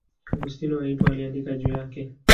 Augustino wa Hippo aliandika juu yake.